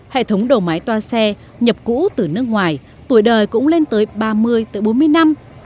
hệ thống đầu máy toa xe nhập cũ từ nước ngoài tuổi đời cũng lên tới ba mươi bốn mươi năm